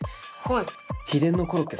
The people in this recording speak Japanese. はい。